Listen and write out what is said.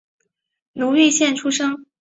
崎玉县出身。